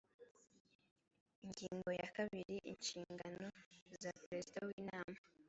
ingingo ya kabiri inshingano za perezida w inama